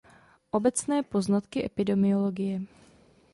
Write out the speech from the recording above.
Obecné poznatky epidemiologie.